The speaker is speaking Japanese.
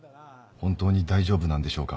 本当に大丈夫なんでしょうか。